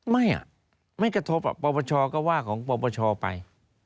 ไม่ไม่กระทบปปชก็ว่าของปปชไป